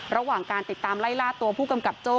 ระหว่างการติดตามไล่ล่าตัวผู้กำกับโจ้